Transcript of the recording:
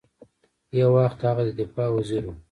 یو وخت هغه د دفاع وزیر ؤ